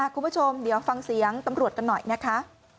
คุณผู้ชมเดี๋ยวฟังเสียงตำรวจกันหน่อยนะคะ